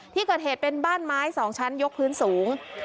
ที่เกิดเหตุเป็นบ้านไม้๒ชั้นยกพื้นสูง